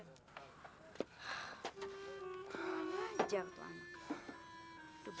lajar tuh anak